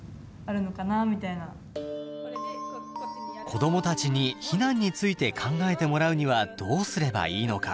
子どもたちに避難について考えてもらうにはどうすればいいのか。